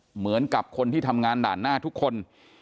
เหมือนกับคนที่ทำงานด่านหน้าทุกคน